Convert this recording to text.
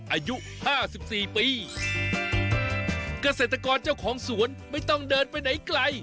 อายุห้าสิบสี่ปีเกษตรกรเจ้าของสวนไม่ต้องเดินไปไหนไกล